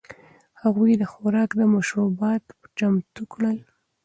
هغوی خوراک او مشروبات چمتو کړل.